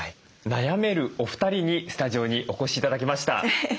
悩めるお二人にスタジオにお越し頂きました。